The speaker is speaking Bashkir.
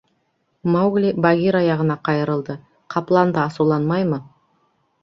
Маугли Багира яғына ҡайырылды: ҡаплан да асыуланмаймы?